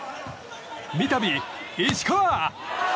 三度、石川！